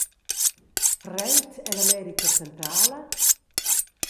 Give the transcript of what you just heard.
Freid ella America centrala?